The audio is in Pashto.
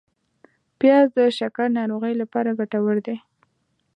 پیاز د شکر ناروغۍ لپاره ګټور دی